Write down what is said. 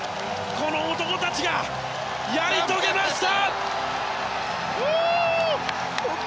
この男たちがやり遂げました！